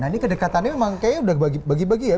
nah ini kedekatannya memang kayaknya udah bagi bagi ya